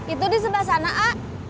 itu di sebelah sana a